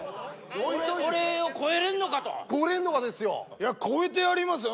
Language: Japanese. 俺を超えれんのか？と超えれんのかですよいや超えてやりますよ